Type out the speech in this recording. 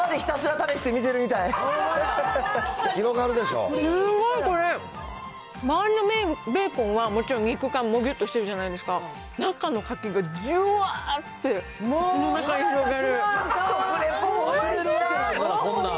すごいこれ、周りのベーコンはもちろん肉感むぎゅっとしてるじゃないですか、中のカキがじゅわーって、口の中に広がる。